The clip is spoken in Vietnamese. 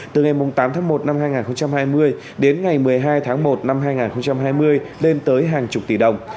từ ngày tám tháng một năm hai nghìn hai mươi đến ngày một mươi hai tháng một năm hai nghìn hai mươi lên tới hàng chục tỷ đồng